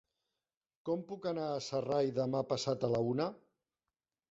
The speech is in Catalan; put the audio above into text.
Com puc anar a Sarral demà passat a la una?